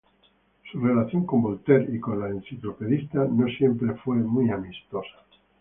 Su relación con Voltaire y con los enciclopedistas no siempre fue amistosa.